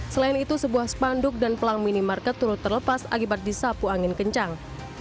selain itu sebuah spanduk dan pelang minimarket turut terlepas akibat disapu angin kencang